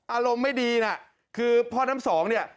อารมณ์ไม่ดีนะคือพ่อน้ำสองเนี่ย